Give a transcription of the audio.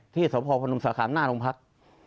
ที่สพพนมสาขามหน้าโรงพัก